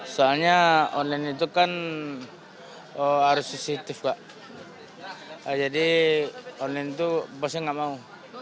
soalnya online itu kan harus sensitif kak jadi online itu bosnya nggak mau